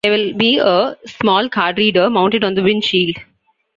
There will be a small card reader mounted on the windshield.